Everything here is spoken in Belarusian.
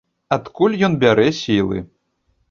Адкуль ён бярэ сілы?